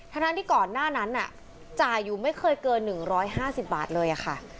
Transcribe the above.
ทั้งที่ก่อนหน้านั้นจ่ายอยู่ไม่เคยเกิน๑๕๐บาทเลยค่ะ